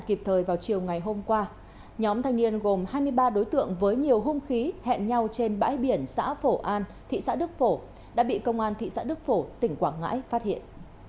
kịp thời vào chiều ngày hôm qua nhóm thanh niên gồm hai mươi ba đối tượng với nhiều hung khí hẹn nhau trên bãi biển xã phổ an thị xã đức phổ đã bị công an thị xã đức phổ tỉnh quảng ngãi phát hiện